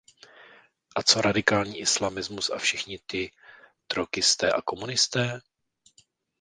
A co radikální islamismus a všichni ti trockisté a komunisté?